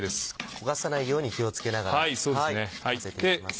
焦がさないように気を付けながら混ぜていきます。